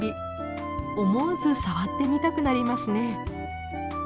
思わず触ってみたくなりますね。